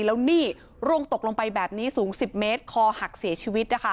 แล้วนี่ร่วงตกลงไปแบบนี้สูง๑๐เมตรคอหักเสียชีวิตนะคะ